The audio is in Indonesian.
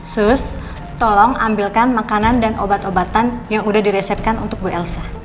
sus tolong ambilkan makanan dan obat obatan yang udah diresetkan untuk bu elsa